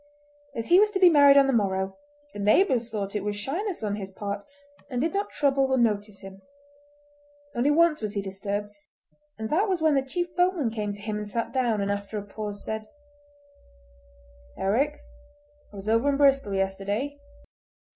As he was to be married on the morrow, the neighbours thought it was shyness on his part, and did not trouble or notice him. Only once was he disturbed, and that was when the chief boatman came to him and sat down, and after a pause said: "Eric, I was over in Bristol yesterday.